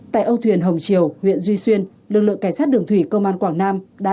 tại âu thuyền hồng triều huyện duy xuyên lực lượng cảnh sát đường thủy công an quảng nam đã